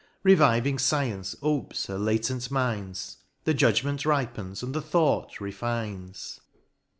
Reviving Science opes her latent mines, The judgment ripens, and the thought refines.